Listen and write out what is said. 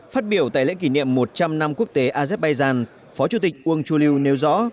phát biểu tại lễ kỷ niệm một trăm linh năm quốc tế azerbaijan phó chủ tịch uung chuliu nêu rõ